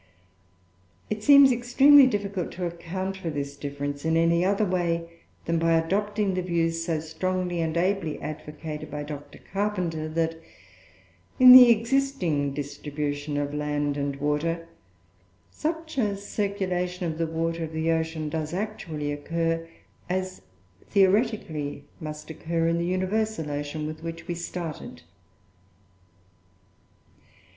It seems extremely difficult to account for this difference in any other way, than by adopting the views so strongly and ably advocated by Dr. Carpenter, that, in the existing distribution of land and water, such a circulation of the water of the ocean does actually occur, as theoretically must occur, in the universal ocean, with which we started.